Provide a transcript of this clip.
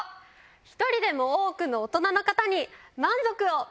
１人でも多くの大人の方に満足を。